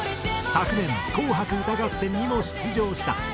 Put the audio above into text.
昨年『紅白歌合戦』にも出場した緑黄色社会。